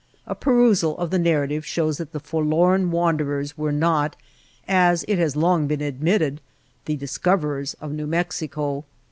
A perusal of the nar rative shows that the forlorn wanderers were not as it has long been admitted the ''discoverers of New Mexico."